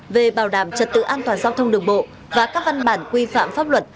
về bảo đảm trật tự an toàn giao thông đường bộ và các văn bản quy phạm pháp luật